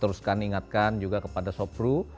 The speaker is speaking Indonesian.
teruskan ingatkan juga kepada sopru